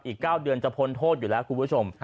อีก๙เดือนจะพ้นโทษอยู่แล้วคุณผู้ชม